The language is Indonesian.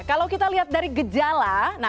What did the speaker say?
kalau kita lihat dari gejala